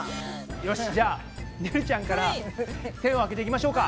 よしじゃあねるちゃんからせんを開けていきましょうか！